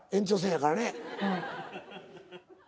はい。